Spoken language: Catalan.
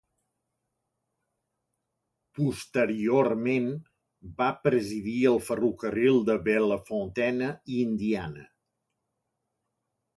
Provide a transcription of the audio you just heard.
Posteriorment va presidir el ferrocarril de Bellefontaine i Indiana.